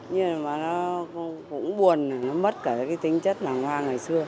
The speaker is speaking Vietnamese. nó cũng buồn nó mất cả cái tính chất làng hoa ngày xưa